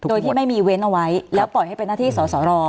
โดยที่ไม่มีเว้นเอาไว้แล้วปล่อยให้เป็นหน้าที่สอสอรอ